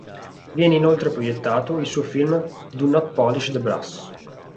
Viene inoltre proiettato il suo film “Do not polish the brass”.